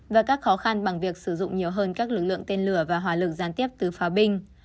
và các khó khăn bằng việc sử dụng nhiều hơn các lực lượng tên lửa và hỏa lực gián tiếp từ pháo binh